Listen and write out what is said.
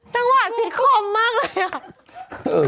นั่งหวัดซิดคมมากเลย